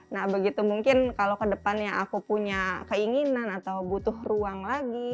nah begitu mungkin kalau ke depannya aku punya keinginan atau butuh ruang lagi